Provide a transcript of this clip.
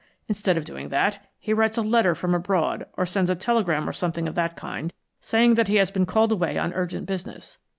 Instead of doing that, he writes a letter from abroad, or sends a telegram or something of that kind, saying that he has been called away on urgent business.